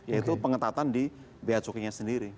yaitu pengetatan di biaya cukingnya sendiri